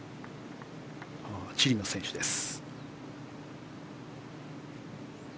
チリの選手です。